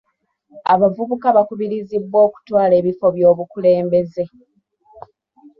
Abavubuka bakubirizibwa okutwala ebifo byobukulembeze.